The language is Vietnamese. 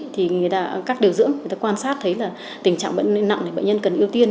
thì các điều dưỡng người ta quan sát thấy là tình trạng bệnh nặng thì bệnh nhân cần ưu tiên